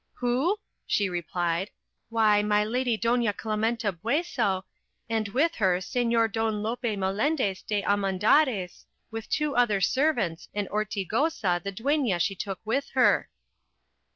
"Who?" she replied; "why, my lady Doña Clementa Bueso, and with her señor Don Lope Melendez de Almendarez, with two other servants, and Hortigosa, the dueña she took with her."